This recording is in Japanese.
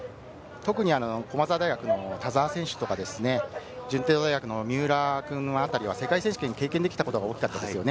特に駒澤大学の田澤選手とか、順天堂大学の三浦君あたりは世界選手権を経験できたことが大きかったですね。